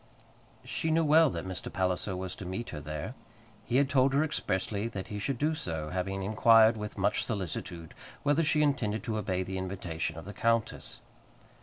She knew well that Mr. Palliser was to meet her there. He had told her expressly that he should do so, having inquired, with much solicitude, whether she intended to obey the invitation of the countess.